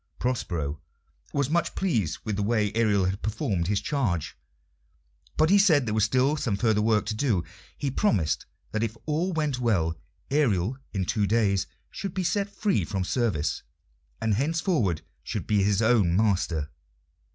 Prospero was much pleased with the way Ariel had performed his charge, but he said there was still some further work to do. He promised that if all went well Ariel in two days should be set free from service, and henceforward should be his own master.